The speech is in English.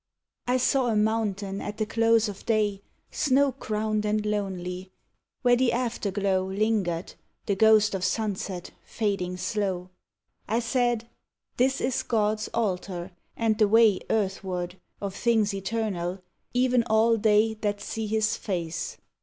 I saw a mountain at the close of day, Snow crowned and lonely, where the after glow Lingered, the ghost of sunset, fading slow. I said, " This is God's altar, and the way Earthward, of things eternal, even all they That see His face."